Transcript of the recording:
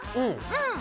うん。